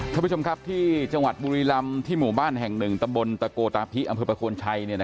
ท่านผู้ชมครับที่จังหวัดบุรีรำที่หมู่บ้านแห่งหนึ่งตำบลตะโกตาพิอำเภอประโคนชัย